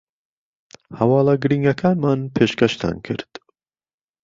هەواڵە گرینگەکانمان پێشکەشتان کرد